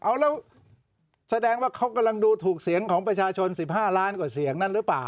เอาแล้วแสดงว่าเขากำลังดูถูกเสียงของประชาชน๑๕ล้านกว่าเสียงนั้นหรือเปล่า